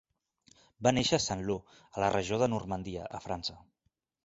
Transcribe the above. Va néixer a Saint-Lô, a la regió de Normandia, a França.